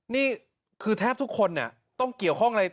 นี่คือแทบทุกคนต้องเกี่ยวข้องอะไร